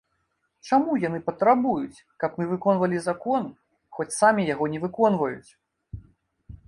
Чаму яны патрабуюць, каб мы выконвалі закон, хоць самі яго не выконваюць?